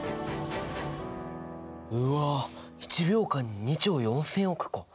うわっ１秒間に２兆４千億個？